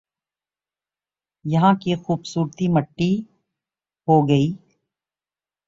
یہاں کی خوبصورتی مٹی ہو گئی